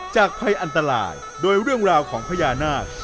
ภัยอันตรายโดยเรื่องราวของพญานาค